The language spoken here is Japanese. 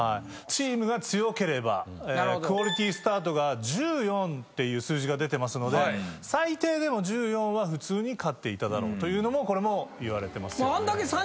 チームが強ければクオリティスタートが１４っていう数字が出てますので最低でも１４は普通に勝っていただろうというのもこれもいわれてますよね。